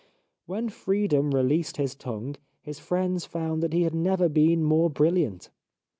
When freedom released his tongue his friends found that he had never been more brilliant.